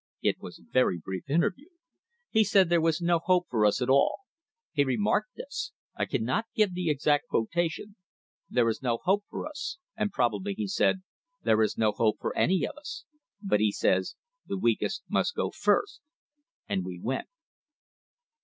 It was a very brief interview. He said there was no hope for us at all. He remarked this — I cannot give the exact quotation — 'There is no hope for us/ and probably he said, 'There is no hope for any of us'; but he says, 'The weakest must go first.' And we went.'